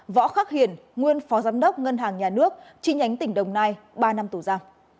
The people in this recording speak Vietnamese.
võ khắc hiền nguyên phó giám đốc ngân hàng nhà nước chi nhánh tỉnh đồng nai ba năm tù ra